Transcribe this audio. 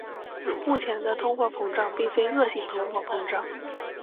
目前的通货膨胀并非恶性通货膨胀。